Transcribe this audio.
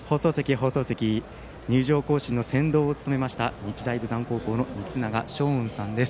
放送席入場行進の先導を務めました日大豊山高校の光永翔音さんです。